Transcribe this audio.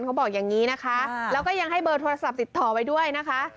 เขาบอกอย่างนี้นะคะแล้วก็ยังให้เบอร์โทรศัพท์ติดต่อไว้ด้วยนะคะ